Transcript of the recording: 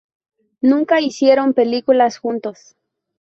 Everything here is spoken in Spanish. Nunca hicieron películas juntos.